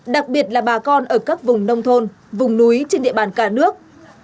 đặc biệt là bà con ở các vùng nông thôn vùng núi trên địa bàn cả nước